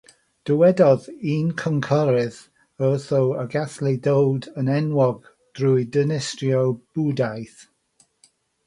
Dywedodd un cynghorydd wrtho y gallai ddod yn enwog drwy ddinistrio Bwdhaeth.